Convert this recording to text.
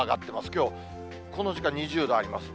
きょう、この時間２０度あります。